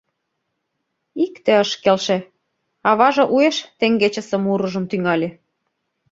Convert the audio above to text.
Икте ыш келше: аваже уэш теҥгечысе мурыжым тӱҥале.